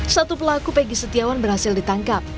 satu pelaku peggy setiawan berhasil ditangkap